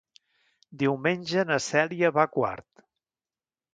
Diumenge na Cèlia va a Quart.